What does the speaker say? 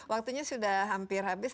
waktunya sudah hampir habis